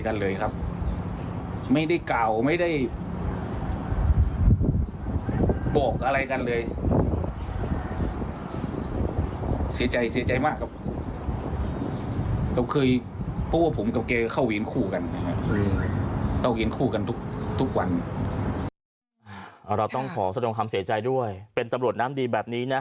เราต้องขอแสดงความเสียใจด้วยเป็นตำรวจน้ำดีแบบนี้นะ